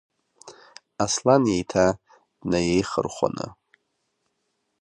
Аслан еиҭа днаиеихырхәаны.